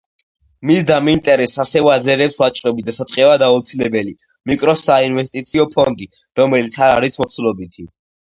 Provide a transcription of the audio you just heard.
მისდამი ინტერესს ასევე აძლიერებს ვაჭრობის დასაწყებად აუცილებელი, მიკრო საინვესტიციო ფონდი, რომელიც არ არის მოცულობითი.